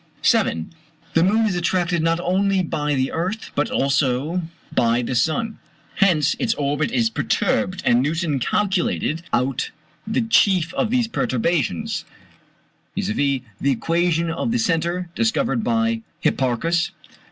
]7. The moon is attracted not only by the earth, but by the sun also; hence its orbit is perturbed, and Newton calculated out the chief of these perturbations, viz.: (The equation of the centre, discovered by Hipparchus.)